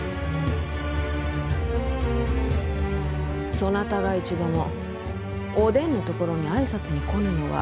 そなたが一度もお伝のところに挨拶に来ぬのは？